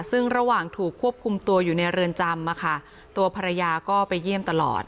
ซึ่งระหว่างถูกควบคุมตัวอยู่ในเรือนจำตัวภรรยาก็ไปเยี่ยมตลอด